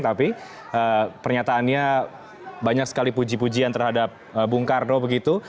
tapi pernyataannya banyak sekali puji pujian terhadap bung karno begitu